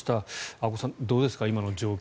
阿古さん、どうですか今の状況。